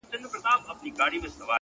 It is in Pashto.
ولي مي هره شېبه ـ هر ساعت پر اور کړوې ـ